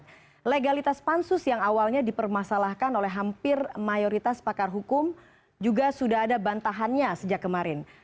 dan legalitas pansus yang awalnya dipermasalahkan oleh hampir mayoritas pakar hukum juga sudah ada bantahannya sejak kemarin